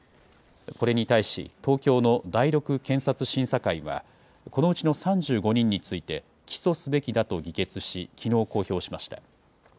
これに対し、東京の第６検察審査会は、このうちの３５人について、起訴すべきだと議決し、きのう公表しました。